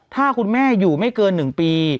ถ้าคุณแม่อยู่ไม่เกิน๑ปี